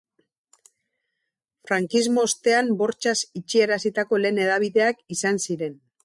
Frankismo ostean bortxaz itxiarazitako lehen hedabideak izan ziren.